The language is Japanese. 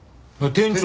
店長。